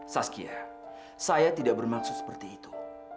saskia saya tidak bermaksud seperti itu